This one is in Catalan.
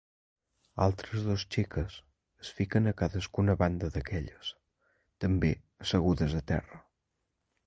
Altres dos xiques es fiquen a cadascuna banda d’aquelles, també assegudes a terra.